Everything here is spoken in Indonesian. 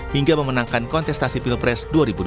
hingga memenangkan kontestasi pilpres dua ribu dua puluh